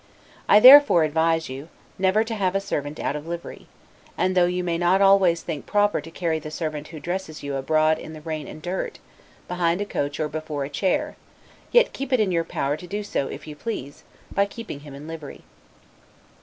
I therefore advise you, never to have a servant out of livery; and, though you may not always think proper to carry the servant who dresses you abroad in the rain and dirt, behind a coach or before a chair, yet keep it in your power to do so, if you please, by keeping him in livery.